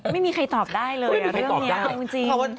ไม่มีใครตอบได้เลยเรื่องนี้เอาจริง